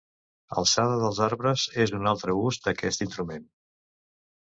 Alçada dels arbres és un altre ús d'aquest instrument.